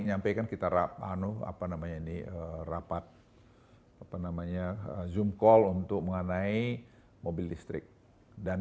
menyampaikan kita apa namanya ini rapat apa namanya zoom call untuk mengenai mobil listrik dan